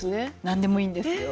何でもいいんですよ。